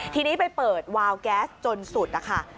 ทีนี้ไปเปิดวาวแก๊สจนสุดนะคะ